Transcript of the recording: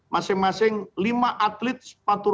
masing masing lima atlet sepatu roda